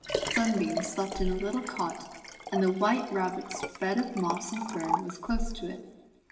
Sun beam slept in a little cot, and the White Rabbit's bed of moss and fern was close to it.